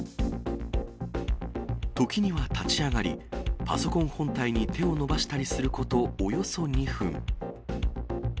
時には立ち上がり、パソコン本体に手を伸ばしたりすること、およそ２分。